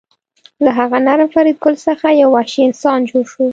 له هغه نرم فریدګل څخه یو وحشي انسان جوړ شو